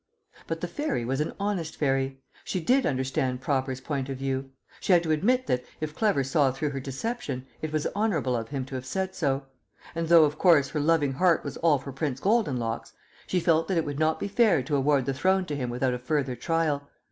But the Fairy was an honest Fairy. She did understand Proper's point of view; she had to admit that, if Clever saw through her deception, it was honourable of him to have said so. And though, of course, her loving heart was all for Prince Goldenlocks, she felt that it would not be fair to award the throne to him without a further trial.